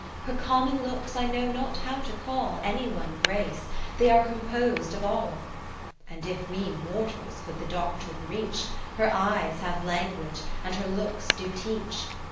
Her common looks I know not how to call Any one Grace, they are compos'd of all. And if we mortals could the doctrine reach. Her eyes have language, and her looks do teach.